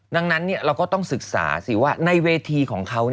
ดังนั้นเราก็ต้องศึกษาสิว่าในเวทีของเขา